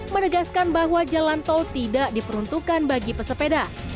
menegaskan bahwa jalan tol tidak diperuntukkan bagi pesepeda